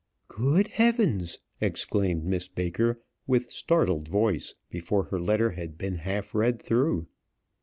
"Good heavens!" exclaimed Miss Baker, with startled voice before her letter had been half read through.